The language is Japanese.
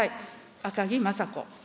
赤木雅子。